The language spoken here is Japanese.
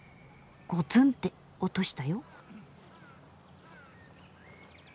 ゴツンって音したよ。